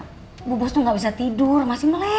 masih melek ya bu bos tuh gak bisa tidur masih melek ya